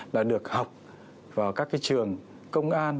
là được học vào các trường công an